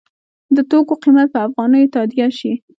د توکو قیمت په افغانیو تادیه شي.